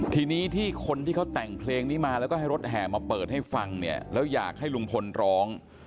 ทีนี้ที่คนที่เขาแต่งเพลงนี้มาแล้วก็ให้รถแห่มาเปิดให้ฟังเนี่ยแล้วอยากให้ลุงพลร้อง